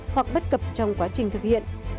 hoặc bất cập trong quá trình thực hiện